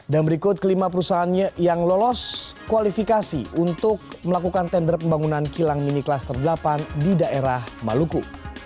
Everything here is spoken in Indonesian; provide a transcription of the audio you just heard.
dan berikut kelima perusahaannya yang lolos kualifikasi untuk melakukan tender pembangunan kilang mini klaster delapan di daerah maluku